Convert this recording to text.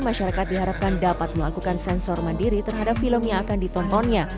masyarakat diharapkan dapat melakukan sensor mandiri terhadap film yang akan ditontonnya